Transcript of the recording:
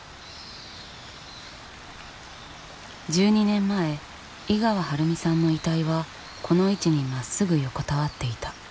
１２年前井川晴美さんの遺体はこの位置にまっすぐ横たわっていた。